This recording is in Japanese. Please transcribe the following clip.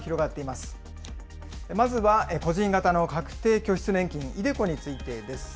まずは個人型の確定拠出年金、ｉＤｅＣｏについてです。